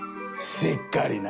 しっかりな。